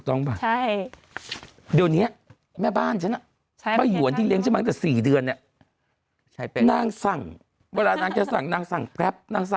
โควิดมันเปลี่ยนชีวิตกันหมดเลยเราย้อนกลับไปสิ